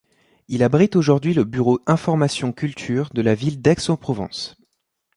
Il abrite aujourd'hui le bureau information culture de la ville d'Aix-en-Provence.